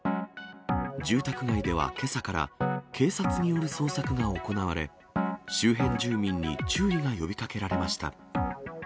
住宅街ではけさから、警察による捜索が行われ、周辺住民に注意が呼びかけられました。